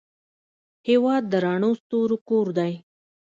هېواد د رڼو ستورو کور دی.